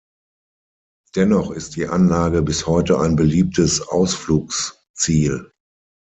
Dennoch ist die Anlage bis heute ein beliebtes Ausflugsziel.